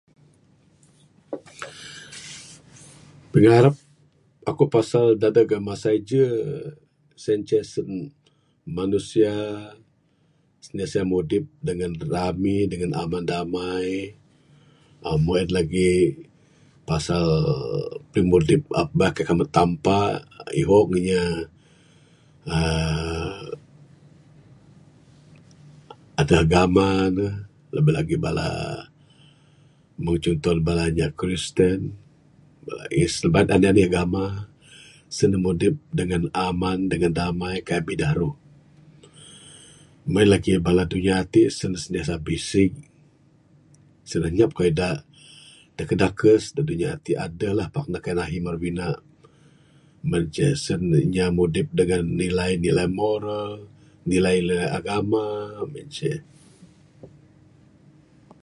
Pingarap aku pasal dadeg masa ije sien ceh sen manusia sentiasa mudip dangan rami dangan aman damai. uhh meng en lagih pimudip pasal aba kambet Tampa. Ihong inya uhh adeh agama ne lagih bala meng cunto bala inya Kristen sebagai anih anih agama Sen ne mudip dangan aman dangan damai kaik bidaruh. Meng en lagih bala Dunia ti sentiasa bisig sen anyap lagih kayuh da dunia ti dakes dakes. Da ati adeh la pak kaik ne ahi maru bina, meng ce sen inya mudip dangan nilai nilai moral, nilai agama en ceh.